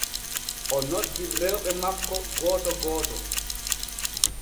O noddi rewɓe makko gooto gooto.